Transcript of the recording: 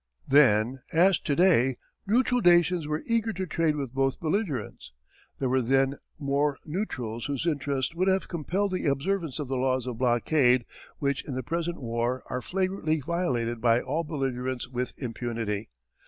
Then, as to day, neutral nations were eager to trade with both belligerents. There were then more neutrals whose interests would have compelled the observance of the laws of blockade, which in the present war are flagrantly violated by all belligerents with impunity.